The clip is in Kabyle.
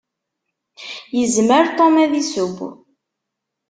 Yezmer Tom ad iseww.